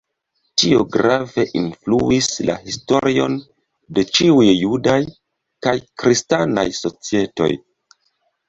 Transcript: Tio grave influis la historion de ĉiuj judaj kaj kristanaj societoj.